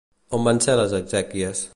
On van ser les exèquies?